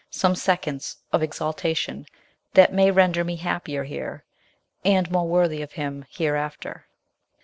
... some seconds of exaltation that may render me both happier here, and more worthy of him hereafter."